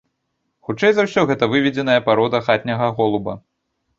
Хутчэй за ўсё гэта выведзеная парода хатняга голуба.